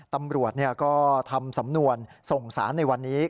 ตำรวจก็ทำสำนวนส่งสารในวันนี้